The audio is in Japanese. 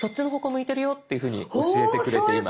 向いてるよっていうふうに教えてくれています。